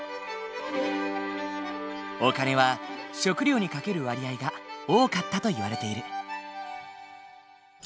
お金は食料にかける割合が多かったといわれている。